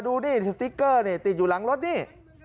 ดูดิสติ๊กเกอร์นี่ติดอยู่หลังรถนี่